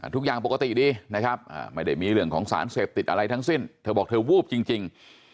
ทุกอย่างปกติดีนะครับไม่ได้มีเรื่องของสารเสพติดอะไรทั้งสิ้นเธอบอกเธอวูบจริง